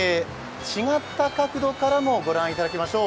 違った角度からも御覧頂きましょう。